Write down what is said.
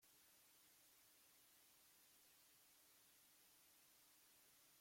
En el paisaje hay cascadas, embalses y bosques.